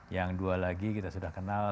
yang dua lagi kita sudah kenal